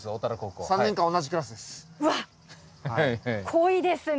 濃いですね。